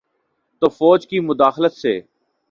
تو فوج کی مداخلت سے۔